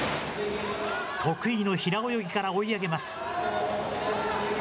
得意の平泳ぎから追い上げます。